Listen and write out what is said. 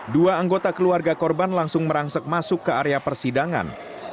dua anggota keluarga korban langsung merangsek masuk ke area persidangan